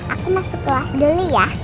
aku masuk kelas dulu yah